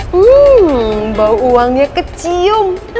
hmm bau uangnya kecium